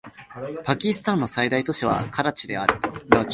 パキスタンの最大都市はカラチである